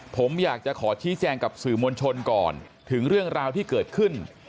ผมอยากจะขอชี้แจงกับสื่อมวลชนก่อนถึงเรื่องราวที่เกิดขึ้น